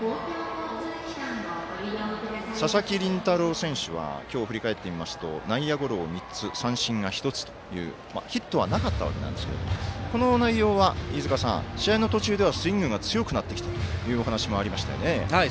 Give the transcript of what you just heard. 佐々木麟太郎選手は今日振り返ってみますと内野ゴロを３つ三振が１つというヒットはなかったわけなんですがこの内容は試合の途中ではスイングが強くなってきたというお話ありましたよね。